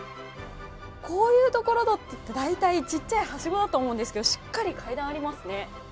こういうところだと大体ちっちゃいはしごだと思うんですけどしっかり階段がありますね。